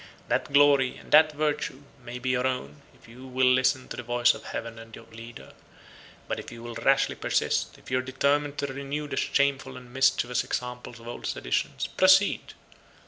That glory, and that virtue, may be your own, if you will listen to the voice of Heaven and of your leader. But if you will rashly persist, if you are determined to renew the shameful and mischievous examples of old seditions, proceed.